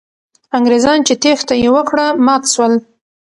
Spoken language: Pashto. انګریزان چې تېښته یې وکړه، مات سول.